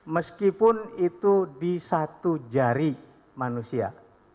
meskipun itu di satu jari manusia